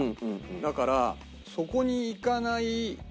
だからそこにいかない。